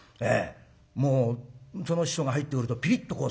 もうその人が入ってくるとピリッとこうする。